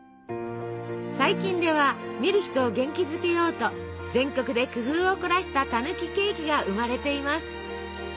最近では見る人を元気づけようと全国で工夫を凝らしたたぬきケーキが生まれています。